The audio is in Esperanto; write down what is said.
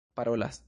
parolas